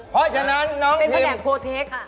เพราะฉะนั้นน้องพิมเป็นคนแดกโพลเทค